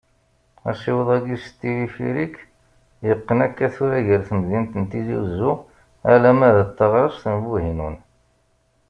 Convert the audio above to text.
Asiweḍ-agi s tilifirik, yeqqen akka tura gar temdint n Tizi Uzzu alamma taɣrest n Buhinun.